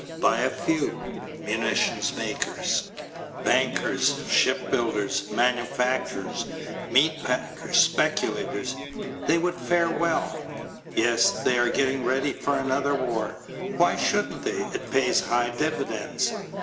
By a few. Munitions makers. Bankers. Ship builders. Manufacturers. Meat packers. Speculators. They would fare well. Yes, they are getting ready for another war. Why shouldn't they? It pays high dividends.